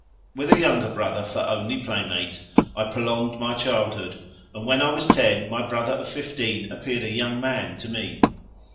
With a younger brother for only playmate, I prolonged my childhood, and when I was ten my brother of fifteen appeared a young man to me.